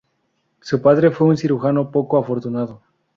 Su padre fue un cirujano poco afortunado.